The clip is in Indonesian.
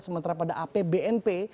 sementara pada apbnp